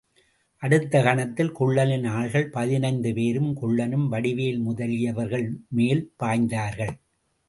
அடுத்த கணத்தில், குள்ளனின் ஆள்கள் பதினைந்து பேரும், குள்ளனும் வடிவேல் முதலியவர்கள் மேல் பாய்ந்தார்கள்.